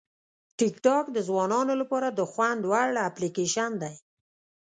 ټیکټاک د ځوانانو لپاره د خوند وړ اپلیکیشن دی.